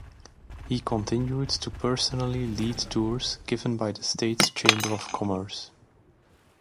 He continued to personally lead tours given by the state's Chamber of Commerce.